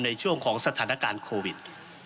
ในช่วงของสถานการณ์โควิด